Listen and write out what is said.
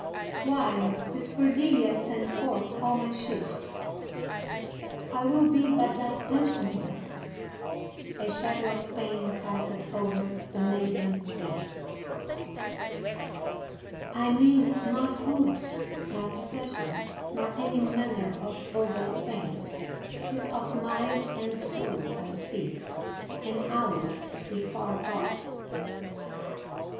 "Why, 'tis for thee I send forth all my ships. I will be but thy pensioner." A shadow of pain passed over the maiden's face. "I mean not goods nor possessions, nor any manner of vulgar things; 'tis of mind and soul I speak, and ours be far apart."